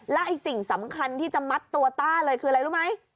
และไอ้สิ่งสำคัญที่จะมัดตัวต้าเลยคืออะไรรู้ไหม